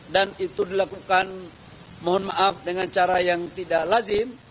dan itu dilakukan mohon maaf dengan cara yang tidak lazim